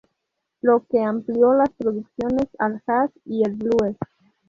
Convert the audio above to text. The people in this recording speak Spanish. Lo que amplió la producciones al jazz y el blues.